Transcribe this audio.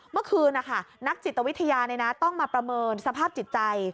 เมื่อคืนนักจิตวิทยาต้องมาประเมินสภาพจิตใจ